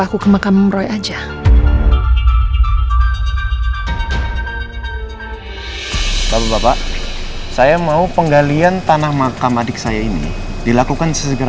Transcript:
aku ke makam roy aja bapak bapak saya mau penggalian tanah makam adik saya ini dilakukan sesegera